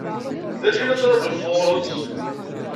D acu i la ttṛaǧunt sɣur-s?